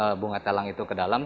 kita taruh bunga telang itu ke dalam